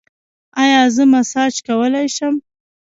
ایا زه مساج کولی شم؟